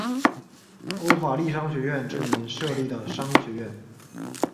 欧法利商学院之名设立的商学院。